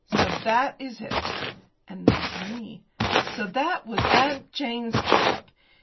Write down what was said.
"So that is it." And then to me. "So that was 'Aunt Jane's Jalap.'